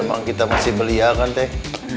ya memang kita masih belia kan teteh